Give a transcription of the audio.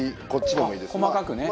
細かくね。